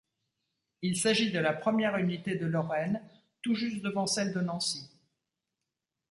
Il s'agit de la première unité de Lorraine tout juste devant celle de Nancy.